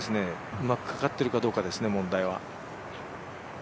うまくかかっているかですね、問題は。